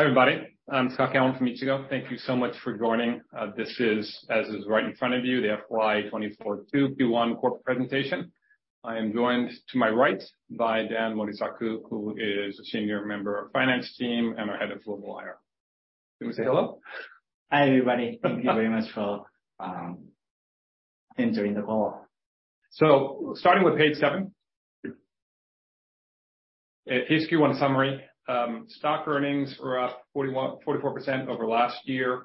Hi, everybody. I'm Scott Callon from Ichigo. Thank you so much for joining. This is, as is right in front of you, the FY 2024 2Q1 corporate presentation. I am joined to my right by Dan Morisaku, who is a Senior Member of Finance Team and our Head of Global IR. Can you say hello? Hi, everybody. Thank you very much for entering the call. Starting with page seven, Q1 summary. Stock Earnings are up 44% over last year.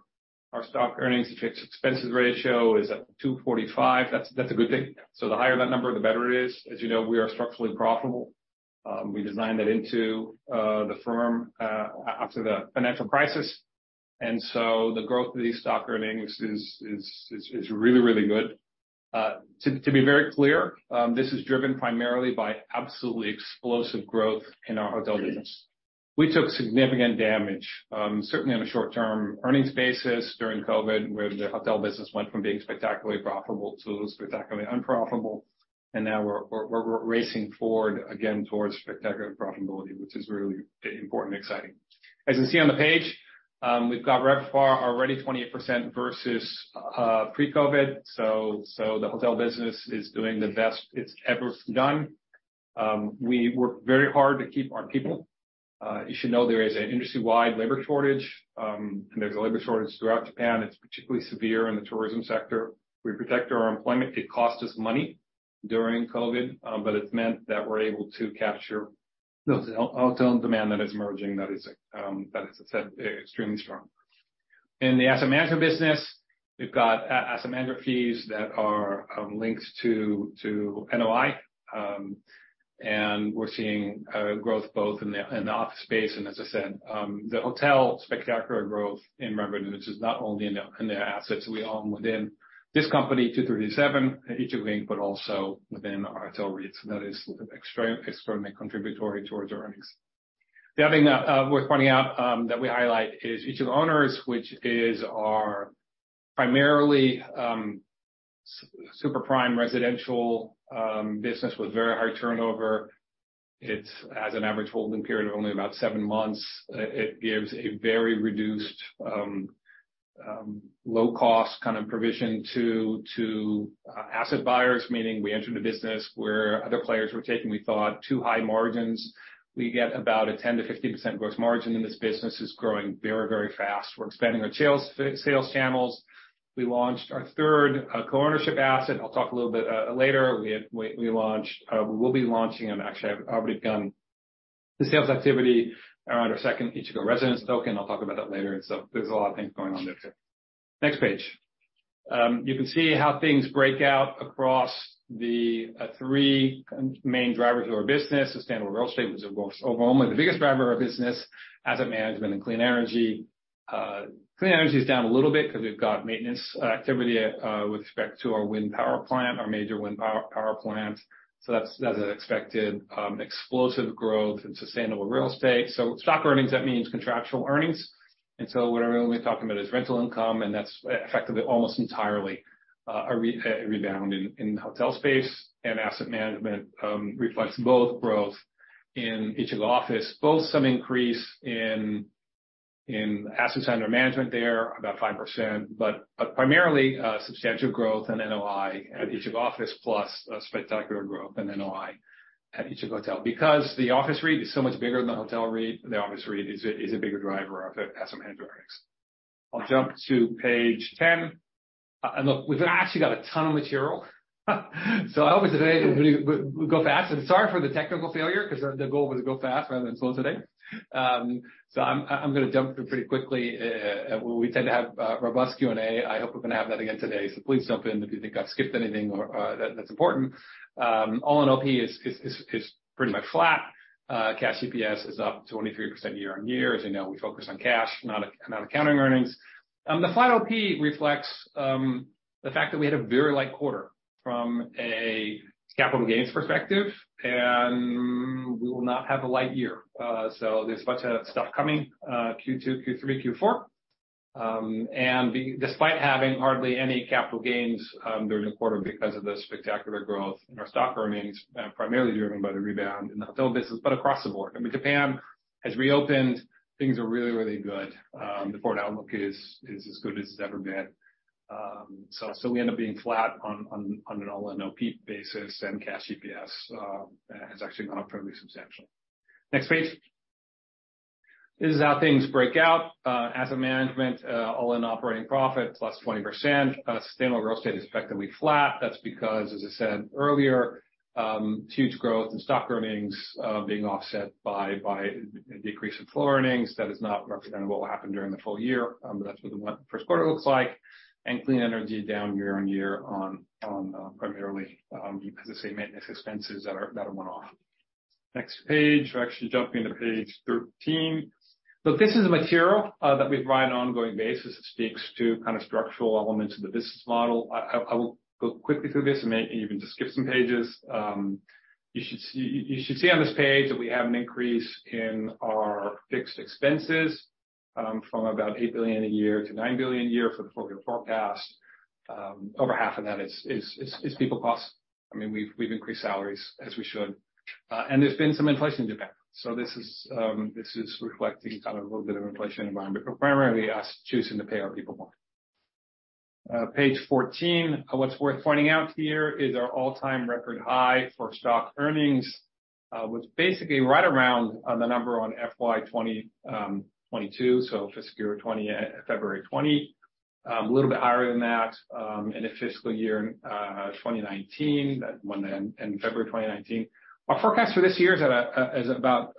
Our Stock Earnings to fixed expenses ratio is at 245. That's a good thing. The higher that number, the better it is. As you know, we are structurally profitable. We designed that into the firm after the financial crisis, the growth of these Stock Earnings is really, really good. To be very clear, this is driven primarily by absolutely explosive growth in our hotel business. We took significant damage, certainly on a short-term earnings basis during COVID, where the hotel business went from being spectacularly profitable to spectacularly unprofitable, and now we're racing forward again towards spectacular profitability, which is really important and exciting. As you see on the page, we've got RevPAR already 28% versus pre-COVID, the hotel business is doing the best it's ever done. We worked very hard to keep our people. You should know there is an industry-wide labor shortage, there's a labor shortage throughout Japan. It's particularly severe in the tourism sector. We protected our employment. It cost us money during COVID, it's meant that we're able to capture the hotel demand that is emerging that is extremely strong. In the asset management business, we've got asset management fees that are linked to NOI. We're seeing growth both in the office space and, as I said, the hotel spectacular growth in revenue, which is not only in the assets we own within this company, 2337, Ichigo Inc. but also within our hotel REITs, that is extremely contributory towards our earnings. The other thing worth pointing out that we highlight is Ichigo Owners, which is our primarily super prime residential business with very high turnover. It's has an average holding period of only about seven months. It gives a very reduced low-cost kind of provision to asset buyers, meaning we entered a business where other players were taking, we thought, too high margins. We get about a 10%-15% gross margin, this business is growing very, very fast. We're expanding our sales channels. We launched our third co-ownership asset. I'll talk a little bit later. We launched, we will be launching and actually, I've already begun the sales activity around our second Ichigo Residence Token. I'll talk about that later. There are a lot of things going on there, too. Next page. You can see how things break out across the three main drivers of our business. Sustainable real estate, which is of course, overwhelmingly the biggest driver of our business, asset management, and clean energy. Clean energy is down a little bit because we've got maintenance activity with respect to our wind power plant, our major wind power plant, that's an expected explosive growth in sustainable real estate. Stock Earnings, that means contractual earnings, what I'm really talking about is rental income, and that's effectively almost entirely a rebound in the hotel space. Asset management reflects both growth in Ichigo Office, both some increase in assets under management there, about 5%, but primarily substantial growth in NOI at Ichigo Office, plus a spectacular growth in NOI at Ichigo Hotel. Because the office REIT is so much bigger than the hotel REIT, the office REIT is a bigger driver of asset management earnings. I'll jump to page 10. Look, we've actually got a ton of material, so I hope today we go fast. Sorry for the technical failure, because the goal was to go fast rather than slow today. I'm gonna jump through pretty quickly. We tend to have robust Q&A. I hope we're gonna have that again today, so please jump in if you think I've skipped anything or that's important. All-in OP is pretty much flat. Cash EPS is up 23% year-on-year. As you know, we focus on cash, not accounting earnings. The final P reflects the fact that we had a very light quarter from a capital gains perspective, and we will not have a light year. There's a bunch of stuff coming, Q2, Q3, Q4. Despite having hardly any capital gains during the quarter because of the spectacular growth in our Stock Earnings, primarily driven by the rebound in the hotel business, but across the board. I mean, Japan has reopened. Things are really, really good. The forward outlook is as good as it's ever been. We end up being flat on an all-in OP basis, and cash EPS has actually gone up fairly substantial. Next page. This is how things break out. Asset management, all in operating profit, plus 20%. Sustainable real estate is effectively flat. That's because, as I said earlier, huge growth in Stock Earnings, being offset by a decrease in Flow Earnings. That does not represent what will happen during the full year, but that's what the first quarter looks like. Clean energy down year-on-year primarily because the same maintenance expenses that are one-off. Next page. We're actually jumping into page 13. This is material that we provide on an ongoing basis. It speaks to kind of structural elements of the business model. I will go quickly through this and may even just skip some pages. You should see on this page that we have an increase in our fixed expenses, from about 8 billion a year to 9 billion a year for the full year forecast. Over half of that is people costs. I mean, we've increased salaries, as we should. There's been some inflation in Japan. This is reflecting kind of a little bit of inflation environment, but primarily us choosing to pay our people more. Page 14, what's worth pointing out here is our all-time record high for Stock Earnings, was basically right around the number on FY 2022, so fiscal year February 20, 2020. A little bit higher than that, in the fiscal year 2019, that one that end in February 2019. Our forecast for this year is at a, is about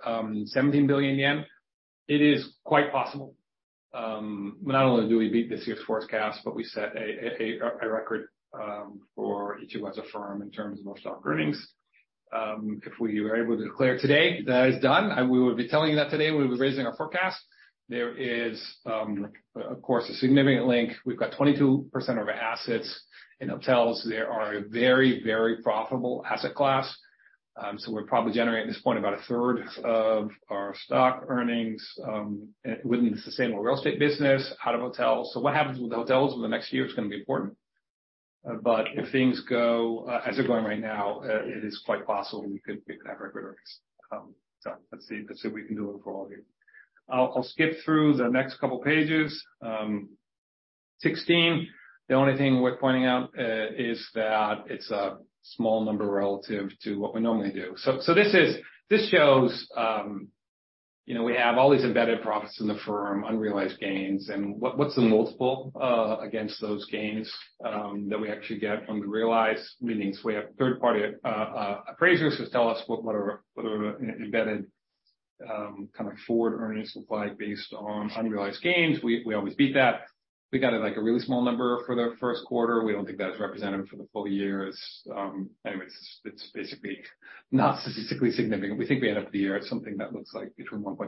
17 billion yen. It is quite possible, not only do we beat this year's forecast, but we set a record for Ichigo as a firm in terms of our Stock Earnings. If we were able to declare today, that is done. We would be telling you that today we would be raising our forecast. There is, of course, a significant link. We've got 22% of our assets in hotels. They are a very, very profitable asset class. So we're probably generating, at this point, about a third of our Stock Earnings, within the sustainable real estate business, out of hotels. What happens with the hotels over the next year is going to be important. If things go as they're going right now, it is quite possible we could break that record earnings. Let's see, let's see if we can do it for all of you. I'll skip through the next couple of pages. 16, the only thing worth pointing out is that it's a small number relative to what we normally do. This shows, you know, we have all these embedded profits in the firm, unrealized gains, and what's the multiple against those gains that we actually get when we realize winnings? We have third-party appraisers who tell us what are the embedded kind of forward earnings look like based on unrealized gains. We always beat that. We got it, like, a really small number for the first quarter. We don't think that's representative for the full year. It's, anyways, it's basically not statistically significant. We think we end up the year at something that looks like between 1.5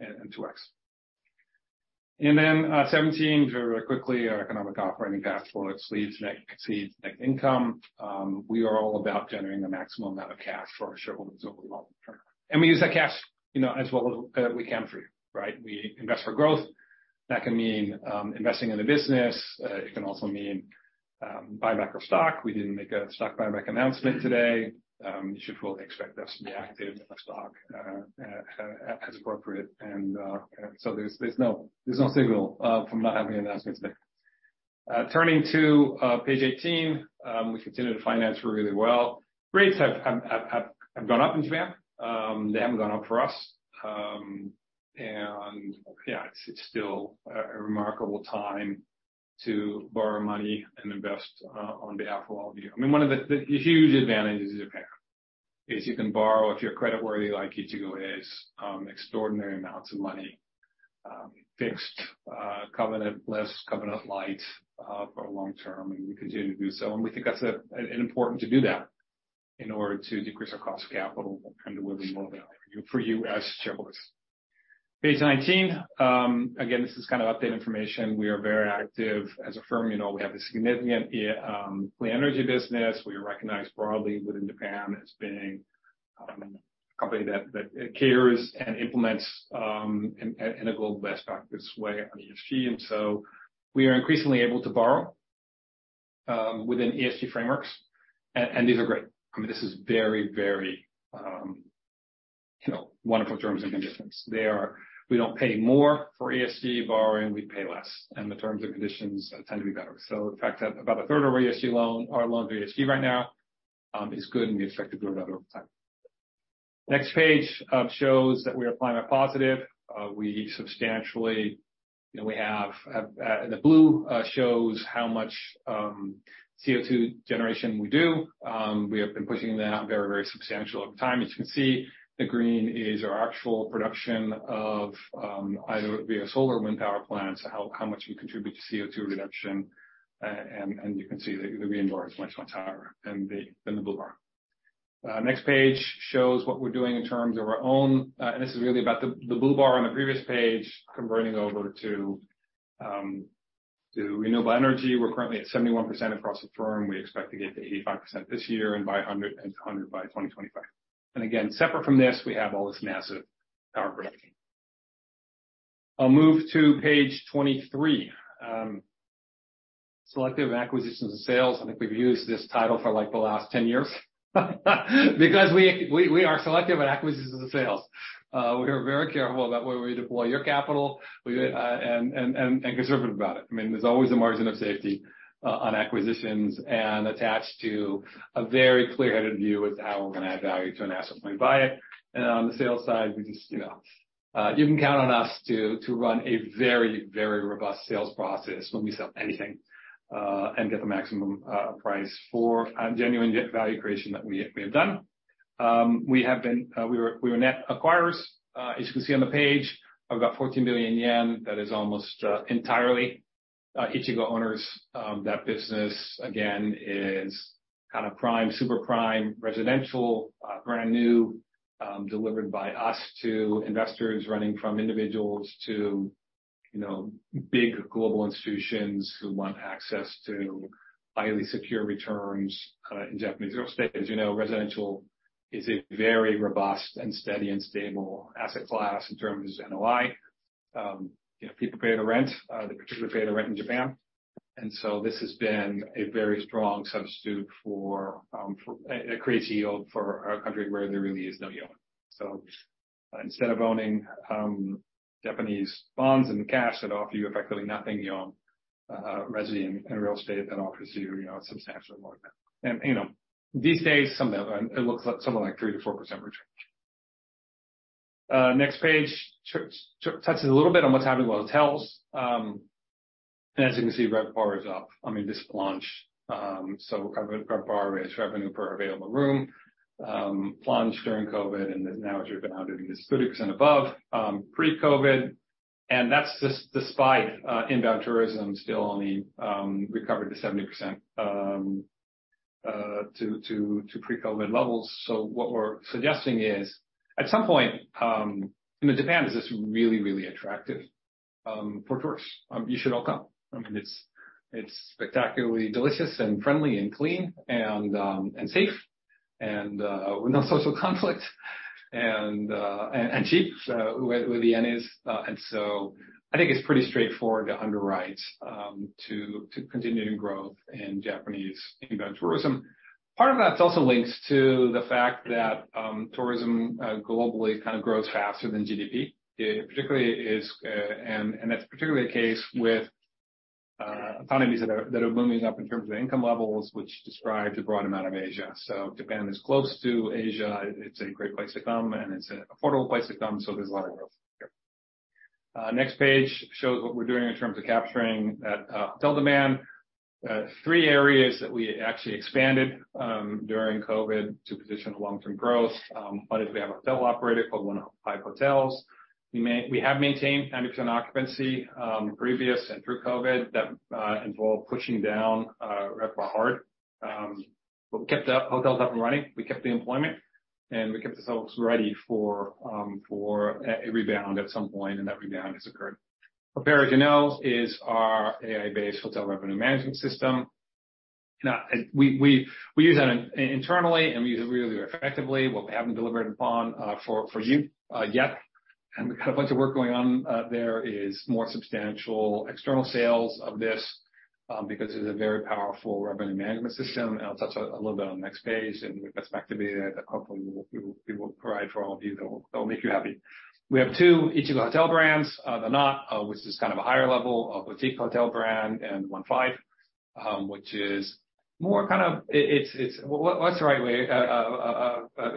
and 2x. Then, 17, very quickly, our economic operating cash flow. It sleeves net, sees net income. We are all about generating the maximum amount of cash for our shareholders over the long term. We use that cash, you know, as well as we can for you, right? We invest for growth. That can mean investing in the business. It can also mean buyback of stock. We didn't make a stock buyback announcement today. You should fully expect us to be active in the stock as appropriate. There's no signal from not having the announcement today. Turning to page 18, we continue to finance really well. Rates have gone up in Japan. They haven't gone up for us. Yeah, it's still a remarkable time to borrow money and invest on behalf of all of you. I mean, one of the huge advantages of Japan is you can borrow, if you're credit worthy, like Ichigo is, extraordinary amounts of money, fixed, covenant list, covenant light, for long term, we continue to do so. We think that's important to do that in order to decrease our cost of capital and deliver more value for you as shareholders. Page 19, again, this is kind of update information. We are very active as a firm. You know, we have a significant clean energy business. We are recognized broadly within Japan as being a company that cares and implements in a global best practice way on ESG. We are increasingly able to borrow within ESG frameworks, and these are great. I mean, this is very wonderful terms and conditions. We don't pay more for ESG borrowing, we pay less, and the terms and conditions tend to be better. The fact that about a third of our ESG loan, our loan for ESG right now, is good, and we expect to do another over time. Next page shows that we are climate positive. We substantially, you know, we have the blue shows how much CO2 generation we do. We have been pushing that very substantial over time. As you can see, the green is our actual production of either via solar wind power plants, how much we contribute to CO2 reduction. You can see that the green bar is much, much higher than the blue bar. Next page shows what we're doing in terms of our own, and this is really about the blue bar on the previous page, converting over to renewable energy. We're currently at 71% across the firm. We expect to get to 85% this year and 100 by 2025. Again, separate from this, we have all this massive power production. I'll move to page 23. Selective acquisitions and sales. I think we've used this title for, like, the last 10 years. We are selective on acquisitions and sales. We are very careful about where we deploy your capital. Conservative about it. I mean, there's always a margin of safety on acquisitions and attached to a very clear-headed view with how we're going to add value to an asset when we buy it. On the sales side, we just, you know, you can count on us to run a very, very robust sales process when we sell anything and get the maximum price for genuine net value creation that we have done. We have been net acquirers. As you can see on the page, of about 14 billion yen, that is almost entirely Ichigo Owners. That business, again, is kind of prime, super prime, residential, brand new, delivered by us to investors running from individuals to, you know, big global institutions who want access to highly secure returns in Japanese real estate. As you know, residential is a very robust and steady and stable asset class in terms of NOI. You know, people pay the rent, they particularly pay the rent in Japan. So this has been a very strong substitute for it creates yield for a country where there really is no yield. Instead of owning Japanese bonds and cash that offer you effectively nothing, you own resident and real estate that offers you know, substantially more than that. You know, these days, some of that, it looks like something like 3%-4% return. Next page touches a little bit on what's happening in hotels. As you can see, RevPAR is up. I mean, this plunged, so RevPAR is revenue per available room, plunged during COVID, and then now it's rebounding to 60% above pre-COVID. That's just despite inbound tourism still only recovered to 70% to pre-COVID levels. What we're suggesting is, at some point, you know, Japan is just really, really attractive for tourists. You should all come. I mean, it's spectacularly delicious and friendly and clean and safe, and with no social conflict, and cheap, with the yen is. I think it's pretty straightforward to underwrite to continuing growth in Japanese inbound tourism. Part of that also links to the fact that tourism globally kind of grows faster than GDP. It particularly is. That's particularly the case with economies that are moving up in terms of income levels, which describes a broad amount of Asia. Japan is close to Asia. It's a great place to come, and it's an affordable place to come, there's a lot of growth here. The next page shows what we're doing in terms of capturing that hotel demand. Three areas that we actually expanded during COVID to position long-term growth. We have a hotel operator called One Five Hotels. We have maintained ambitious occupancy previously and through COVID. That involved pushing down RevPAR hard. We kept the hotels up and running, we kept the employment, and we kept ourselves ready for a rebound at some point, and that rebound has occurred. PROPERA, as you know, is our AI-based hotel revenue management system. Now, we use that internally, and we use it really effectively. What we haven't delivered upon, for you, yet, and we've got a bunch of work going on there, is more substantial external sales of this, because it's a very powerful revenue management system. I'll touch a little bit on the next page, and with respect to the couple, we will provide for all of you that'll make you happy. We have two Ichigo hotel brands, THE KNOT, which is kind of a higher level of boutique hotel brand, and The OneFive, which is more kind of. It's what's the right way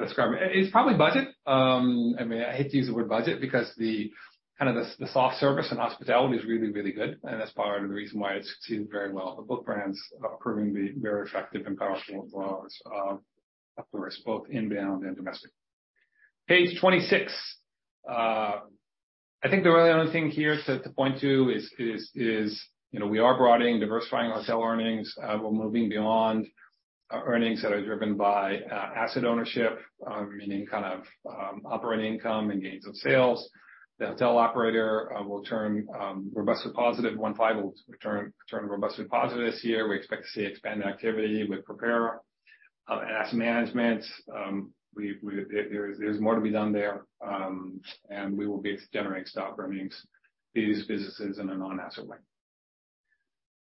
describe it? It's probably budget. I mean, I hate to use the word budget because the, kind of the soft service and hospitality is really, really good, and that's part of the reason why it's succeeded very well. Both brands are proving to be very effective and powerful for us, both inbound and domestic. Page 26. I think the really only thing here to point to is, you know, we are broadening, diversifying our hotel earnings. We're moving beyond our earnings that are driven by asset ownership, meaning kind of operating income and gains of sales. The hotel operator will turn robustly positive. One Five will return robustly positive this year. We expect to see expanded activity with PROPERA. Asset management, we there is more to be done there. We will be generating Stock Earnings, these businesses in a non-asset way.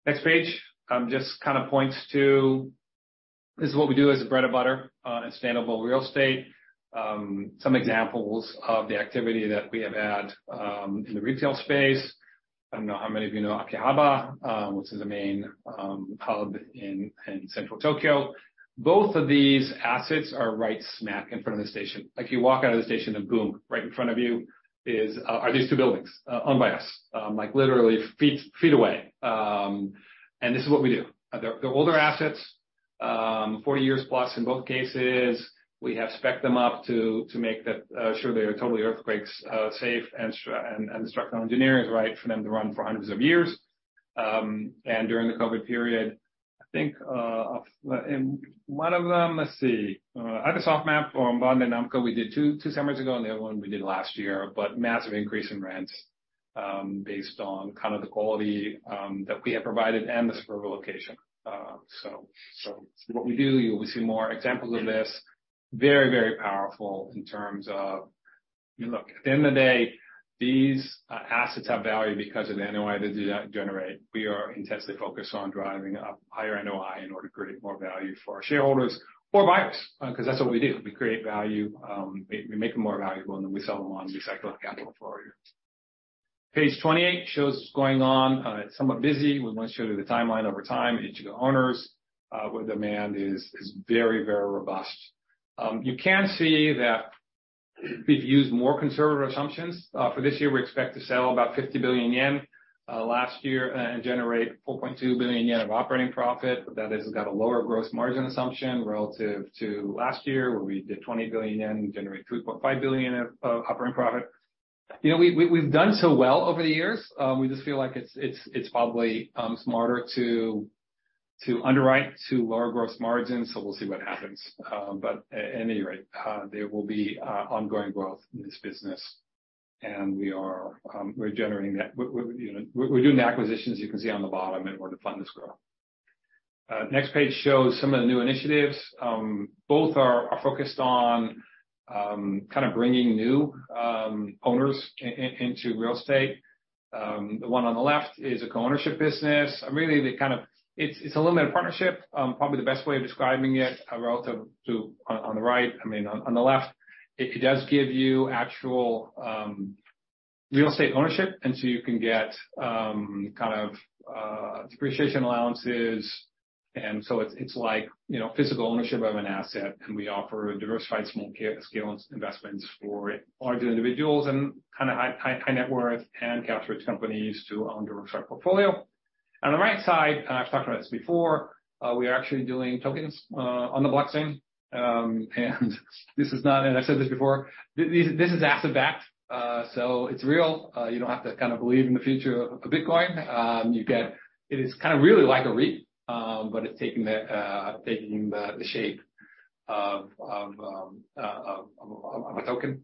Next page, just kind of points to this is what we do as a bread and butter in sustainable real estate. Some examples of the activity that we have had in the retail space. I don't know how many of you know Akihabara, which is a main hub in central Tokyo. Both of these assets are right smack in front of the station. Like, you walk out of the station and boom, right in front of you is are these two buildings, owned by us, like literally feet away. This is what we do. They're older assets, 40 years plus in both cases. We have spec'd them up to make that sure they are totally earthquakes safe and structural engineering is right for them to run for hundreds of years. During the COVID period, I think, in one of them, let's see, either Sofmap or Bandai Namco, we did 2 summers ago, and the other one we did last year. Massive increase in rents, based on kind of the quality, that we have provided and the superb location. What we do, you will see more examples of this. Very, very powerful in terms of. Look, at the end of the day, these assets have value because of the NOI they do generate. We are intensely focused on driving a higher NOI in order to create more value for our shareholders or buyers, because that's what we do. We create value, we make them more valuable, we sell them on to recycle the capital for you. Page 28 shows what's going on. It's somewhat busy. We want to show you the timeline over time, Ichigo Owners, where demand is very, very robust. You can see that we've used more conservative assumptions. For this year, we expect to sell about 50 billion yen last year, generate 4.2 billion yen of operating profit. That has got a lower gross margin assumption relative to last year, where we did 20 billion yen, generated 3.5 billion of operating profit. You know, we've done so well over the years, we just feel like it's probably smarter to underwrite to lower gross margins. We'll see what happens. At any rate, there will be ongoing growth in this business, and we are generating that. You know, we're doing the acquisitions you can see on the bottom in order to fund this growth. Next page shows some of the new initiatives. Both are focused on kind of bringing new owners into real estate. The one on the left is a co-ownership business. Really, it's a little bit of partnership. Probably the best way of describing it, relative to on the right, I mean, on the left, it does give you actual real estate ownership, so you can get kind of depreciation allowances. It's like, you know, physical ownership of an asset, and we offer diversified small-scale investments for larger individuals and kind of high net worth and captive companies to own a diversified portfolio. On the right side, and I've talked about this before, we are actually doing tokens on the blockchain. This is not, and I said this before, this is asset backed, so it's real. You don't have to kind of believe in the future of Bitcoin. It is kind of really like a REIT, but it's taking the shape of a token.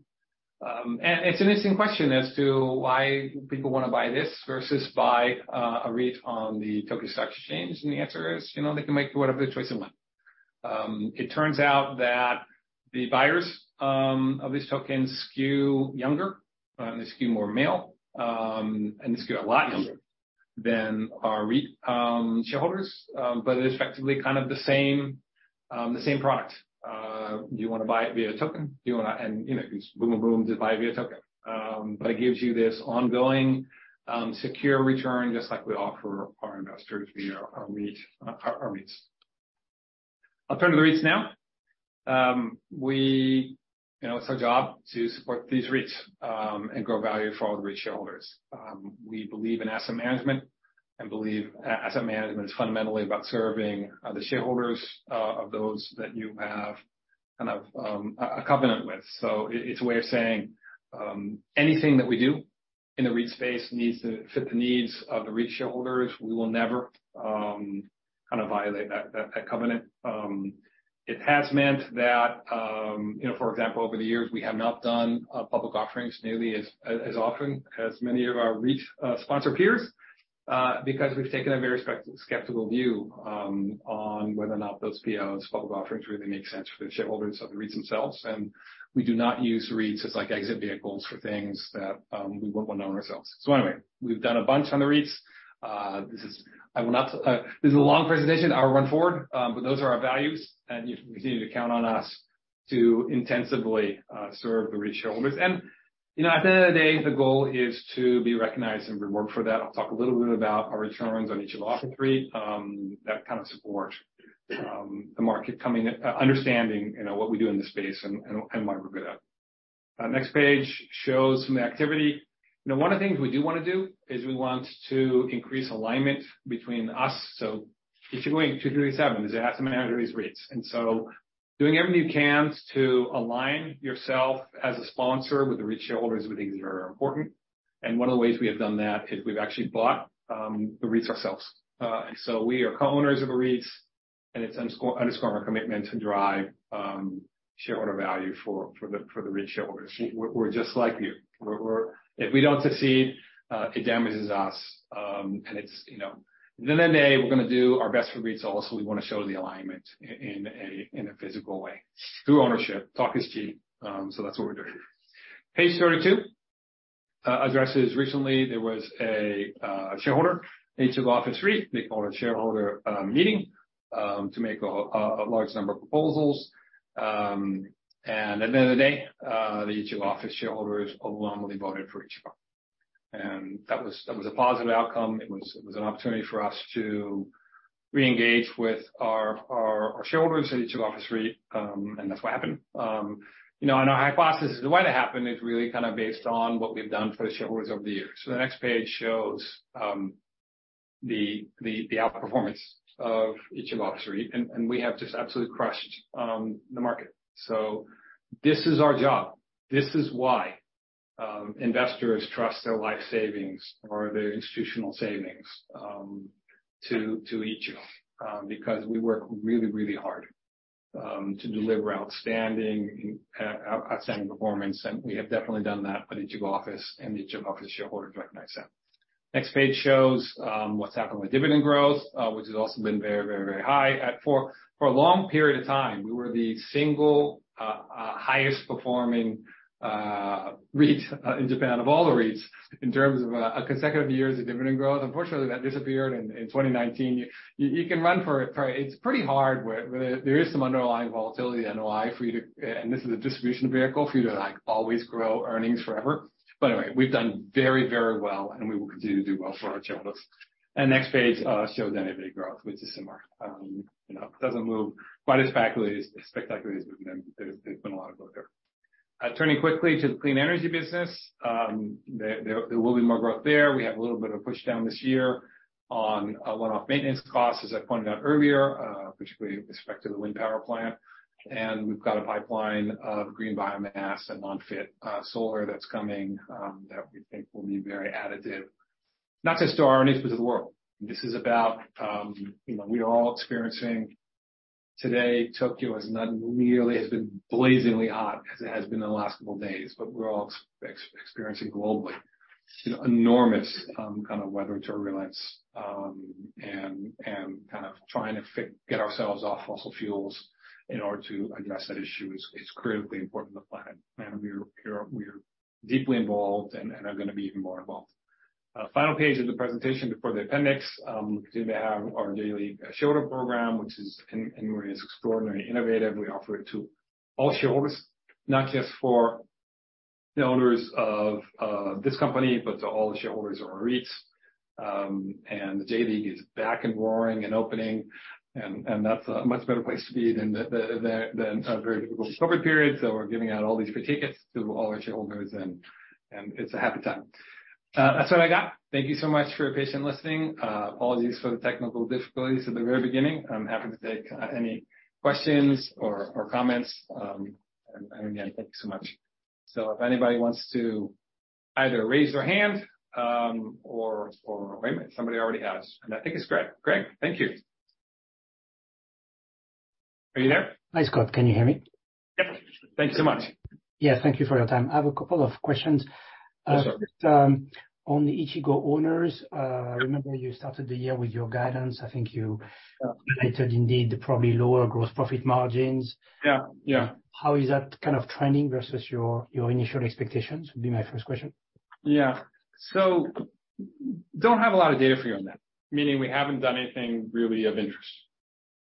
It's an interesting question as to why people wanna buy this versus buy a REIT on the Tokyo Stock Exchange, and the answer is, you know, they can make whatever the choice they want. It turns out that the buyers of these tokens skew younger, they skew more male, and they skew a lot younger than our REIT shareholders. Effectively, kind of the same, the same product. Do you wanna buy it via token? You know, it's boom, just buy via token. It gives you this ongoing secure return, just like we offer our investors via our REIT, our REITs. I'll turn to the REITs now. You know, it's our job to support these REITs and grow value for all the REIT shareholders. We believe in asset management and believe asset management is fundamentally about serving the shareholders of those that you have kind of a covenant with. It's a way of saying, anything that we do in the REIT space needs to fit the needs of the REIT shareholders. We will never kind of violate that covenant. It has meant that, you know, for example, over the years, we have not done public offerings nearly as often as many of our REIT sponsor peers, because we've taken a very spec-skeptical view on whether or not those POs, public offerings, really make sense for the shareholders of the REITs themselves. We do not use REITs as, like, exit vehicles for things that we wouldn't want to own ourselves. Anyway, we've done a bunch on the REITs. This is a long presentation. I'll run forward, but those are our values, and you can continue to count on us to intensively serve the REIT shareholders. You know, at the end of the day, the goal is to be recognized and rewarded for that. I'll talk a little bit about our returns on each of the office REIT, that kind of support the market coming, understanding, you know, what we do in this space and, and why we're good at it. Next page shows some activity. You know, one of the things we do wanna do is we want to increase alignment between us. If you're going 2337, there's asset manager, these REITs. Doing everything you can to align yourself as a sponsor with the REIT shareholders, we think is very important. One of the ways we have done that is we've actually bought the REITs ourselves. So we are co-owners of the REITs, and it's underscore our commitment to drive shareholder value for the REIT shareholders. We're just like you. We're, if we don't succeed, it damages us, you know, at the end of the day, we're gonna do our best for REITs, so we wanna show the alignment in a physical way, through ownership. Talk is cheap, that's what we're doing. Page 32 addresses recently, there was a shareholder, Ichigo Office REIT. They called a shareholder meeting to make a large number of proposals. At the end of the day, the Ichigo Office shareholders overwhelmingly voted for Ichigo. That was a positive outcome. It was an opportunity for us to reengage with our shareholders at Ichigo Office REIT, that's what happened. You know, our hypothesis as to why that happened is really kind of based on what we've done for the shareholders over the years. The next page shows the outperformance of Ichigo Office REIT, and we have just absolutely crushed the market. This is our job. This is why investors trust their life savings or their institutional savings to Ichigo, because we work really, really hard to deliver outstanding performance, and we have definitely done that at Ichigo Office and Ichigo Office shareholders recognize that. Next page shows what's happened with dividend growth, which has also been very high. For a long period of time, we were the single highest performing REIT in Japan, of all the REITs, in terms of a consecutive years of dividend growth. Unfortunately, that disappeared in 2019. You can run for it. It's pretty hard with, where there is some underlying volatility, NOI, for you to, and this is a distribution vehicle, for you to, like, always grow earnings forever. Anyway, we've done very, very well, and we will continue to do well for our shareholders. Next page shows NAV growth, which is similar. You know, it doesn't move quite as spectacularly as we've been, but there's been a lot of growth there. Turning quickly to the clean energy business, there will be more growth there. We have a little bit of pushdown this year on, one-off maintenance costs, as I pointed out earlier, particularly with respect to the wind power plant. We've got a pipeline of green biomass and non-FIT solar that's coming, that we think will be very additive, not just to our needs, but to the world. This is about, you know, we are all experiencing. Today, Tokyo is not nearly, has been blazingly hot as it has been in the last couple of days. We're all experiencing globally, you know, enormous, kind of weather turbulence, and kind of trying to get ourselves off fossil fuels in order to address that issue is critically important to the planet. We're deeply involved and are gonna be even more involved. Final page of the presentation before the appendix. We do have our daily shareholder program, which is in many ways, extraordinary innovative. We offer it to all shareholders, not just for the owners of this company, but to all the shareholders of our REITs. The J.League is back and roaring and opening and that's a much better place to be than a very difficult COVID period. We're giving out all these free tickets to all our shareholders, and it's a happy time. That's what I got. Thank you so much for your patient listening. Apologies for the technical difficulties at the very beginning. I'm happy to take any questions or comments. Again, thank you so much. If anybody wants to either raise their hand, or wait a minute, somebody already has, and I think it's Greg. Greg, thank you. Are you there? Hi, Scott. Can you hear me? Yep. Thank you so much. Yeah, thank you for your time. I have a couple of questions. Yes, sir. Just on the Ichigo Owners, I remember you started the year with your guidance. I think you stated indeed, probably lower gross profit margins. Yeah. Yeah. How is that kind of trending versus your initial expectations, would be my first question? Yeah. Don't have a lot of data for you on that, meaning we haven't done anything really of interest.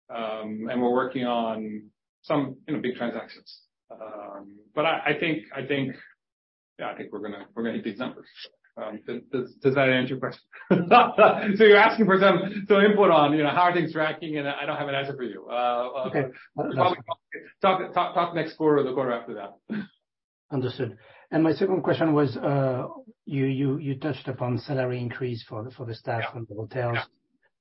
We're working on some, you know, big transactions. I think, yeah, I think we're gonna, we're gonna hit these numbers. Does that answer your question? You're asking for some input on, you know, how are things tracking, and I don't have an answer for you. Okay. Talk, talk next quarter or the quarter after that. Understood. My second question was, you touched upon salary increase for the staff... Yeah. The hotels.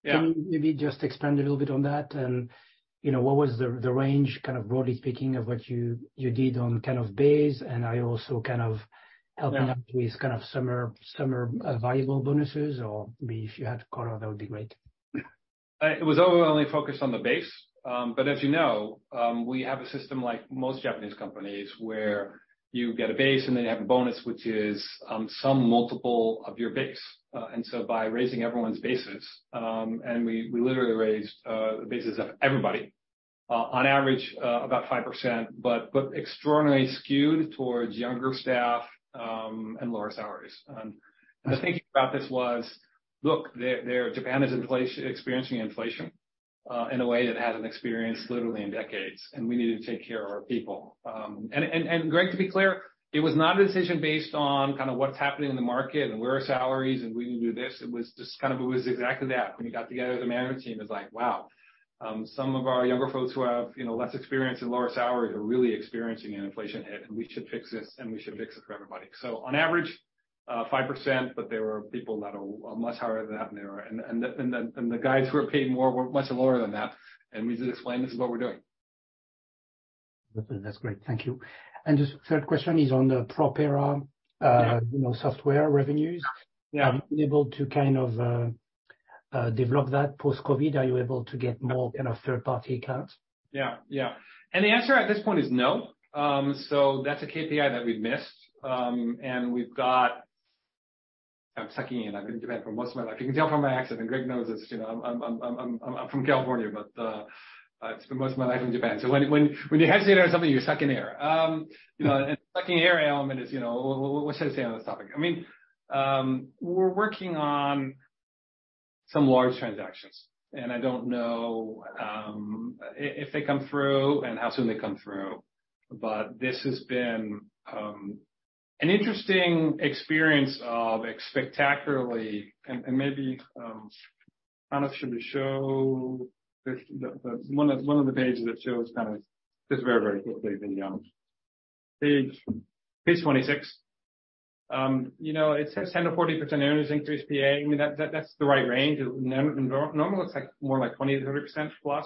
Yeah. Can you maybe just expand a little bit on that? You know, what was the range, kind of, broadly speaking, of what you did on kind of base, and are you also kind of? Yeah -helping out with kind of summer variable bonuses? Or if you had a quarter, that would be great. It was overwhelmingly focused on the base. As you know, we have a system like most Japanese companies, where you get a base, and then you have a bonus, which is some multiple of your base. By raising everyone's bases, we literally raised the bases of everybody, on average, about 5%, but extraordinarily skewed towards younger staff and lower salaries. The thinking about this was, look, there, Japan is in inflation, experiencing inflation in a way that it hasn't experienced literally in decades, and we need to take care of our people. Greg, to be clear, it was not a decision based on kind of what's happening in the market and where are salaries, and we can do this. It was just kind of it was exactly that. When you got together as a management team, it was like, wow, some of our younger folks who have, you know, less experience and lower salaries are really experiencing an inflation hit, and we should fix this, and we should fix it for everybody. On average, 5%, but there were people that are much higher than that, and there were. The guys who are paid more were much lower than that, and we just explained, this is what we're doing. That's great. Thank you. Just third question is on the PROPERA. Yeah. ...you know, software revenues. Yeah. Are you able to kind of, develop that post-COVID? Are you able to get more kind of third-party accounts? Yeah, yeah. The answer at this point is no. That's a KPI that we've missed. We've got, I'm sucking in. I've been in Japan for most of my life. You can tell from my accent, and Greg knows this, you know, I'm from California, but I've spent most of my life in Japan, so when you hesitate on something, you suck in air. You know, sucking air element is, you know, what should I say on this topic? I mean, we're working on some large transactions, I don't know, if they come through and how soon they come through, this has been an interesting experience of spectacularly and maybe, kind of should we show this, the... One of the pages that shows kind of, just very, very quickly, the page 26. You know, it says 10%-40% earnings increase PA. I mean, that's the right range. Normally, it's like, more like 20%-30%+ for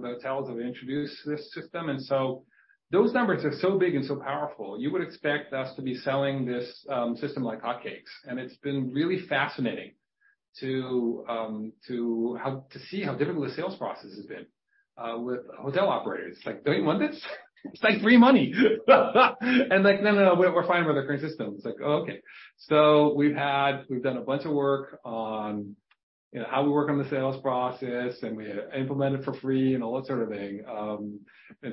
the hotels that we introduced this system. So those numbers are so big and so powerful, you would expect us to be selling this system like hotcakes. It's been really fascinating to see how difficult the sales process has been with hotel operators. It's like, "Don't you want this? It's like free money." Like, "No, no, we're fine with our current system." It's like, oh, okay. We've done a bunch of work on, you know, how we work on the sales process, and we implement it for free and all that sort of thing.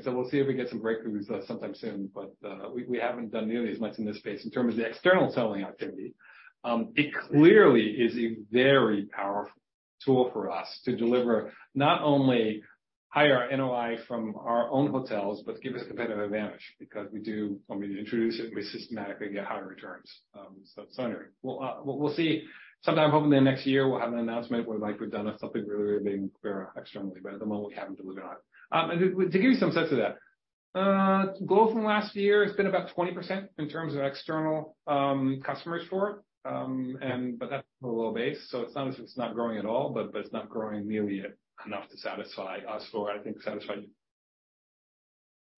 We'll see if we get some breakthroughs sometime soon, we haven't done nearly as much in this space in terms of the external selling activity. It clearly is a very powerful tool for us to deliver, not only higher NOI from our own hotels, but give us competitive advantage, because we do, when we introduce it, we systematically get higher returns. Anyway, we'll see. Sometime hopefully next year, we'll have an announcement where, like, we've done something really, really big, where extremely, but at the moment, we haven't delivered on it. To give you some sense of that, growth from last year has been about 20% in terms of external, customers for it. That's a low base, so it's not as if it's not growing at all, but it's not growing nearly enough to satisfy us, or I think satisfy.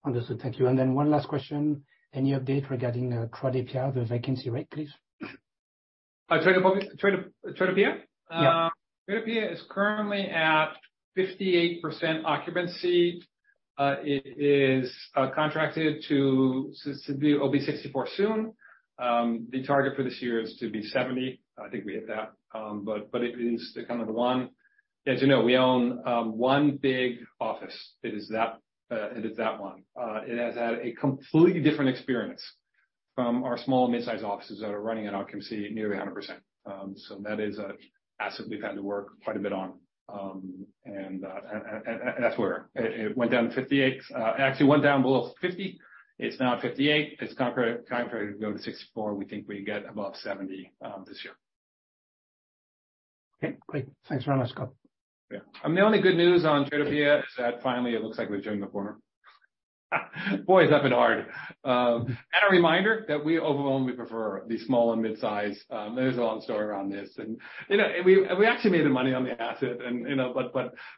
Understood. Thank you. One last question: Any update regarding Tradepia, the vacancy rate, please? Tradepia? Yeah. Tradepia is currently at 58% occupancy. It is contracted to be 64 soon. The target for this year is to be 70. I think we hit that. It is the kind of the one, as you know, we own, one big office. It is that, it is that one. It has had a completely different experience from our small and mid-size offices that are running at occupancy, nearly 100%. That is a asset we've had to work quite a bit on. That's where it went down to 58. It actually went down below 50. It's now at 58. It's contracted to go to 64. We think we can get above 70 this year. Okay, great. Thanks very much, Scott. Yeah. The only good news on Tradepia is that finally it looks like we've turned the corner. Boy, has that been hard. A reminder that we overwhelmingly prefer the small and mid-size. There's a long story around this, you know, and we actually made the money on the asset and, you know,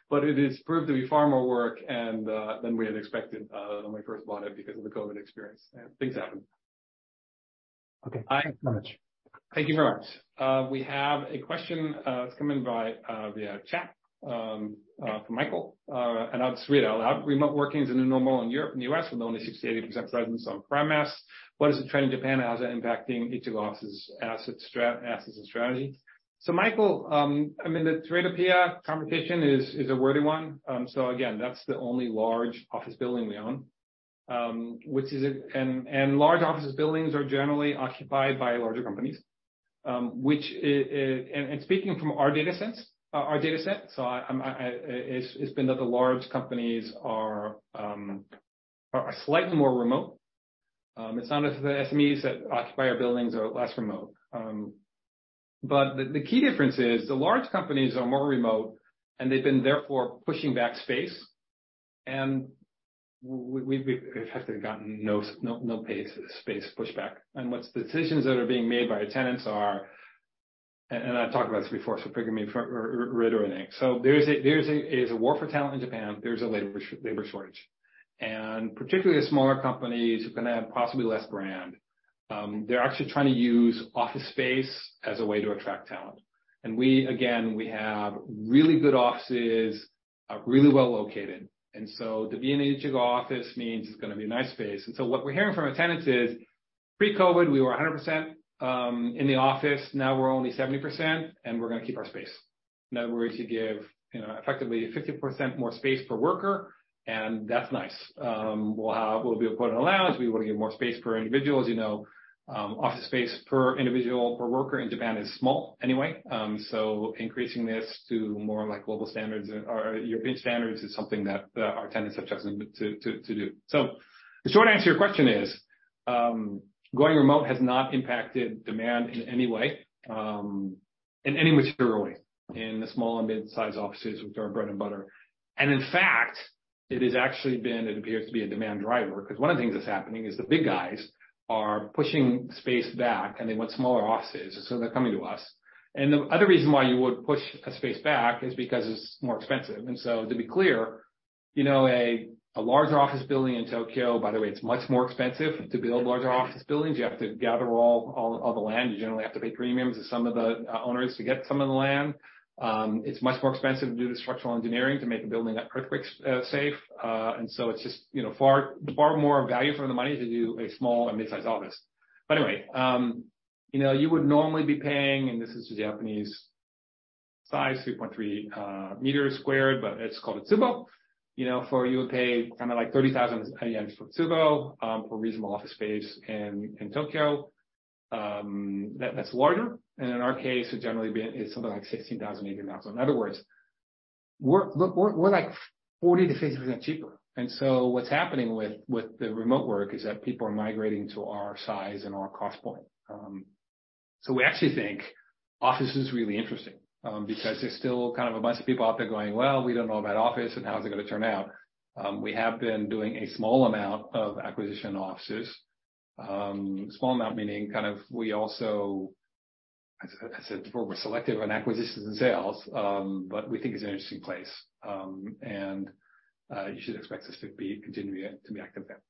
but it has proved to be far more work than we had expected when we first bought it, because of the COVID experience. Things happen. Okay. Thanks so much. Thank you very much. We have a question that's come in by via chat from Michael and out of Sweden. Remote working is a new normal in Europe and the U.S., with only 60%-80% presence on premise. What is the trend in Japan, and how is it impacting each of the office's assets and strategy? Michael, I mean, the Tradepia conversation is a worthy one. Again, that's the only large office building we own. Large office buildings are generally occupied by larger companies. Speaking from our data sense, our data set, it's been that the large companies are slightly more remote. It's not as the SMEs that occupy our buildings are less remote. The key difference is the large companies are more remote, and they've been therefore pushing back space. We've actually gotten no space pushback. What's the decisions that are being made by our tenants are, and I've talked about this before, so forgive me for reiterating. There's a war for talent in Japan. There's a labor shortage, and particularly the smaller companies who are gonna have possibly less brand, they're actually trying to use office space as a way to attract talent. We, again, we have really good offices, really well located. To be in each of the office means it's gonna be a nice space. What we're hearing from our tenants is: pre-COVID, we were 100% in the office, now we're only 70%, and we're gonna keep our space. In other words, to give, you know, effectively 50% more space per worker, and that's nice. We'll be able to put in allows. We want to give more space per individual. As you know, office space per individual, per worker in Japan is small anyway, so increasing this to more like global standards or European standards is something that our tenants have chosen to do. The short answer to your question is, going remote has not impacted demand in any way, in any material way in the small and mid-sized offices, which are our bread and butter. In fact, it has actually been, it appears, to be a demand driver, because one of the things that's happening is the big guys are pushing space back, and they want smaller offices, so they're coming to us. The other reason why you would push a space back is because it's more expensive. To be clear, you know, a larger office building in Tokyo, by the way, it's much more expensive to build larger office buildings. You have to gather all the land. You generally have to pay premiums to some of the owners to get some of the land. It's much more expensive to do the structural engineering to make a building earthquake safe. It's just, you know, far more value for the money to do a small and mid-sized office. You know, you would normally be paying, and this is the Japanese size, 3.3 square meters, but it's called a tsubo. You know, for you would pay kind of like 30,000 yen for a tsubo, for reasonable office space in Tokyo, that's larger. In our case, it'd generally be, it's something like 16,000, 18,000. In other words, we're like 40%-50% cheaper. What's happening with the remote work is that people are migrating to our size and our cost point. We actually think the office is really interesting because there's still kind of a bunch of people out there going: "Well, we don't know about office, and how's it gonna turn out?" We have been doing a small number of acquisitions of offices. Small amount meaning, kind of we also, as I said before, we're selective on acquisitions and sales, but we think it's an interesting place. You should expect us to be continuing to be active there.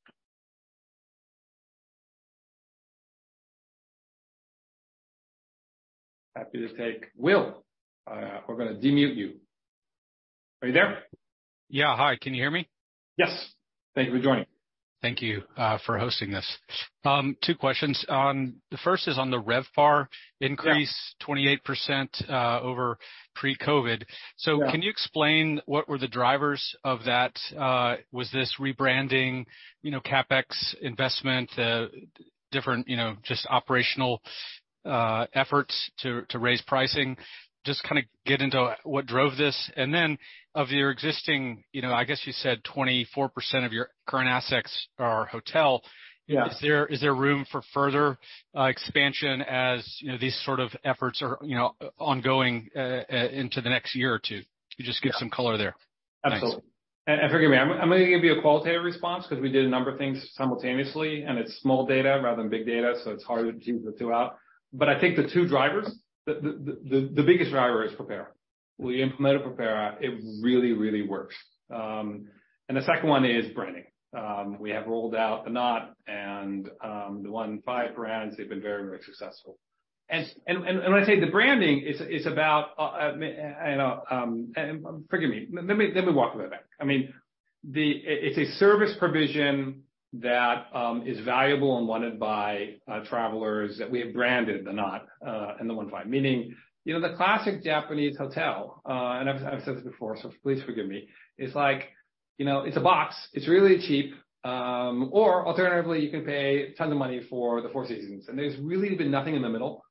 Happy to take Will. We're gonna unmute you. Are you there? Yeah. Hi, can you hear me? Yes. Thank you for joining. Thank you for hosting this. 2 questions. The first is on the RevPAR. Yeah. increase 28% over pre-COVID. Yeah. Can you explain what were the drivers of that? Was this rebranding, you know, CapEx investment, different, you know, just operational efforts to raise pricing? Just kind of get into what drove this. Of your existing, you know, I guess you said 24% of your current assets are hotel. Yeah. Is there room for further expansion, as, you know, these sort of efforts are, you know, ongoing into the next year or two? Can you just give some color there? Absolutely. Thanks. Forgive me, I'm gonna give you a qualitative response because we did a number of things simultaneously, and it's small data rather than big data, so it's hard to tease the two out. I think the two drivers, the biggest driver is PROPERA. We implemented PROPERA, it really, really works. The second one is branding. We have rolled out THE KNOT and The OneFive brands, they've been very, very successful. When I say the branding is about, forgive me, let me walk it way back. I mean, it's a service provision that is valuable and wanted by travelers that we have branded THE KNOT and The OneFive. Meaning, you know, the classic Japanese hotel, and I've said this before, so please forgive me, is like, you know, it's a box. It's really cheap, or alternatively, you can pay a ton of money for the Four Seasons, and there's really been nothing in the middle.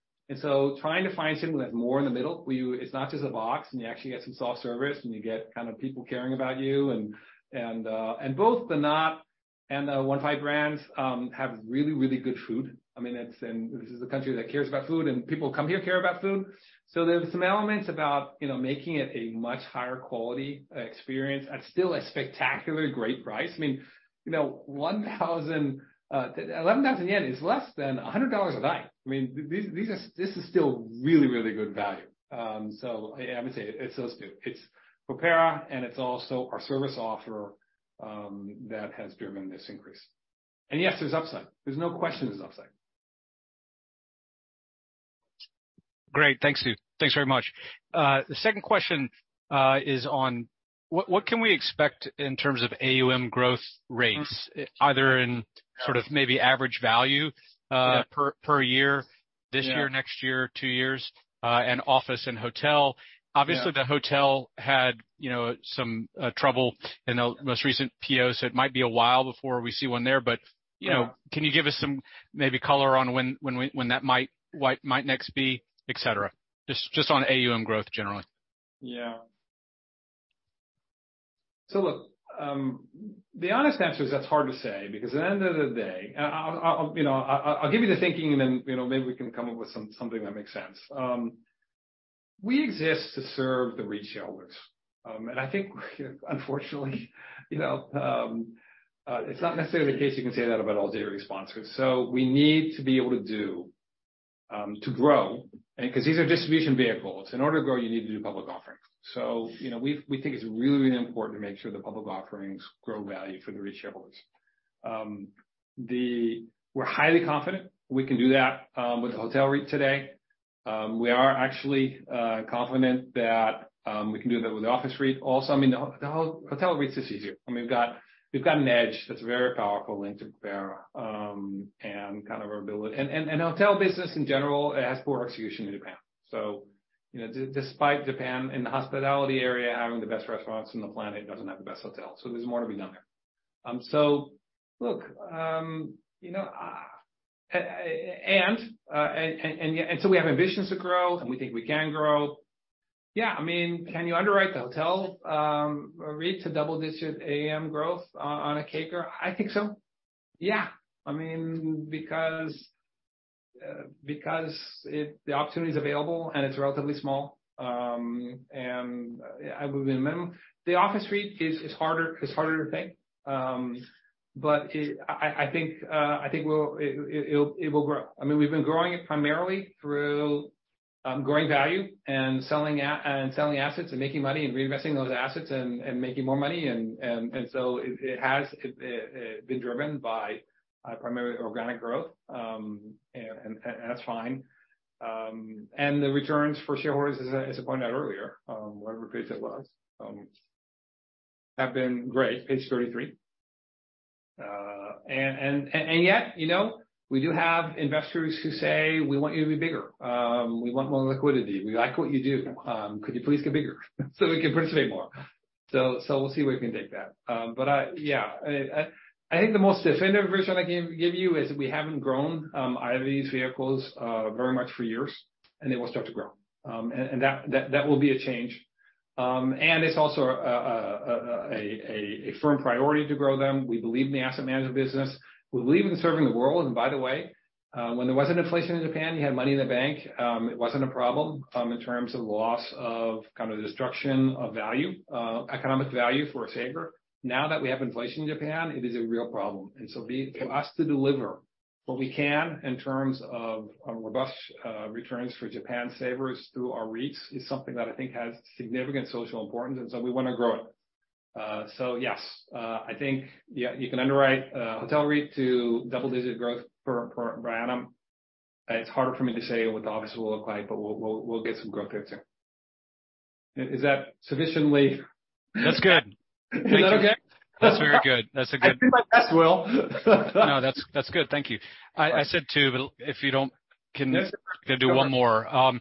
Trying to find something that's more in the middle, where you it's not just a box, and you actually get some soft service, and you get kind of people caring about you. Both THE KNOT and The OneFive brands have really good food. I mean, this is a country that cares about food, and people who come here care about food. There's some elements about, you know, making it a much higher quality experience at still a spectacularly great price. I mean, you know, 11,000 yen is less than $100 a night. I mean, this is still really, really good value. I would say it's those two. It's PROPERA, it's also our service offer that has driven this increase. Yes, there's upside. There's no question there's upside. Great. Thanks. Forgive. Thanks very much. The second question is on what can we expect in terms of AUM growth rates, either in sort of maybe average value? Yeah. per year Yeah. this year, next year, two years, and office and hotel? Yeah. Obviously, the hotel had, you know, some trouble in the most recent PO, so it might be a while before we see one there. Yeah. You know, can you give us some maybe color on when we, when that might next be, et cetera? Just on AUM growth generally. Look, the honest answer is that's hard to say because at the end of the day. I'll, you know, I'll give you the thinking and then, you know, maybe we can come up with something that makes sense. We exist to serve the shareholders, and I think, unfortunately, you know, it's not necessarily the case you can say that about all data sponsors. We need to be able to do to grow, and because these are distribution vehicles, in order to grow, you need to do public offerings. You know, we think it's really, really important to make sure the public offerings grow value for the shareholders. We're highly confident we can do that with the hotel REIT today. We are actually confident that we can do that with the Office REIT also. The Hotel REIT's easier, and we've got an edge that's a very powerful link to PROPERA and kind of our ability. Hotel business in general, it has poor execution in Japan. Despite Japan in the hospitality area, having the best restaurants on the planet, it doesn't have the best hotels, so there's more to be done there. Look, we have ambitions to grow, and we think we can grow. Can you underwrite the Hotel REIT to double-digit AUM growth on a CAGR? I think so. Yeah. I mean, because it, the opportunity is available, and it's relatively small, and I would remember, the Office REIT it's harder to pay. I think we'll, it will grow. I mean, we've been growing it primarily through growing value and selling assets and making money and reinvesting those assets and making more money, so it has been driven by primarily organic growth. That's fine. The returns for shareholders, as I pointed out earlier, whatever page that was, have been great, page 33. Yet, you know, we do have investors who say: We want you to be bigger. We want more liquidity. We like what you do. Could you please get bigger, so we can participate more? We'll see where we can take that. I, yeah, I think the most definitive version I can give you is we haven't grown either of these vehicles very much for years, and they will start to grow. That will be a change. It's also a firm priority to grow them. We believe in the asset management business. We believe in serving the world. By the way, when there wasn't inflation in Japan, you had money in the bank, it wasn't a problem in terms of loss of kind of destruction of value, economic value for a saver. Now that we have inflation in Japan, it is a real problem. For us to deliver what we can in terms of robust returns for Japan savers through our REITs, is something that I think has significant social importance, and we want to grow it. Yes, I think, yeah, you can underwrite hotel REIT to double-digit growth per annum. It's harder for me to say what the office will look like, but we'll get some growth there, too. Is that sufficiently... That's good. Is that okay? That's very good. I did my best, Will. No, that's good. Thank you. I said, too, but if you don't... Can I do one more? Yeah.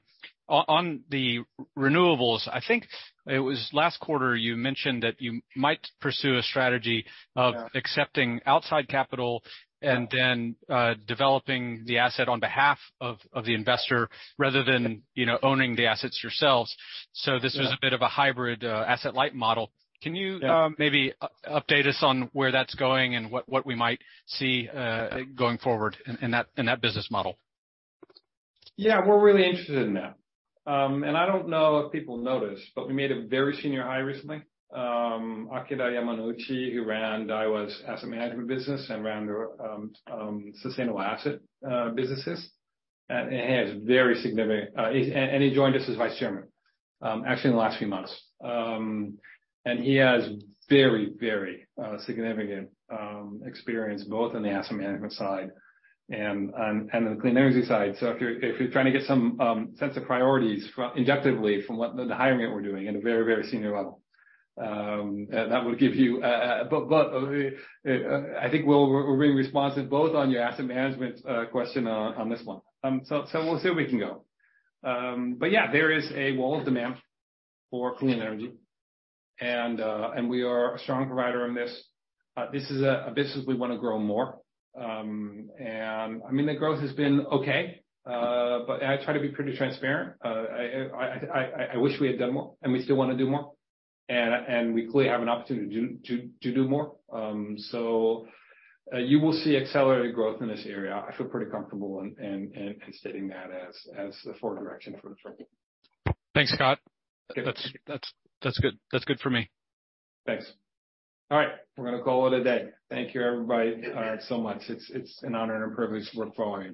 On the renewables, I think it was last quarter, you mentioned that you might pursue a strategy of-. Yeah accepting outside capital and then developing the asset on behalf of the investor, rather than, you know, owning the assets yourselves. Yeah. This was a bit of a hybrid, asset-light model. Yeah. Can you, maybe update us on where that's going and what we might see, going forward in that business model? We're really interested in that. I don't know if people noticed, but we made a very senior hire recently, Akira Yamauchi, who ran Daiwa's asset management business and ran the sustainable asset businesses. He has very significant, and he joined us as Vice Chairman actually in the last few months. He has very significant experience, both on the asset management side and the clean energy side. If you're trying to get some sense of priorities indicatively what the hiring that we're doing at a very senior level, that would give you. But I think we're being responsive both on your asset management question on this one. We'll see where we can go. But yeah, there is a wall of demand for clean energy, and we are a strong provider in this. This is a business we want to grow more. I mean, the growth has been okay, but I try to be pretty transparent. I wish we had done more, and we still want to do more. We clearly have an opportunity to do more. You will see accelerated growth in this area. I feel pretty comfortable in stating that as the forward direction for the company. Thanks, Scott. That's good. That's good for me. Thanks. All right, we're going to call it a day. Thank you, everybody, so much. It's an honor and a privilege to work for all you.